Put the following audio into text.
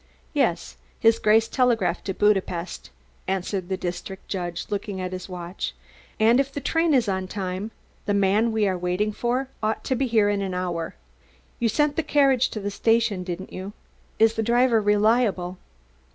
"Yes, His Grace telegraphed to Budapest," answered the district judge, looking at his watch. "And if the train is on time, the man we are waiting for ought to be here in an hour. You sent the carriage to the station, didn't you? Is the driver reliable?"